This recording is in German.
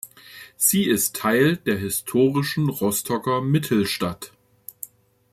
Sie ist Teil der historischen Rostocker "Mittelstadt".